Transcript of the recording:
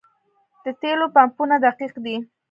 د تیلو پمپونه دقیق دي؟